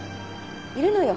いるのよ